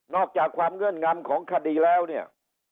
อกจากความเงื่อนงำของคดีแล้วเนี่ย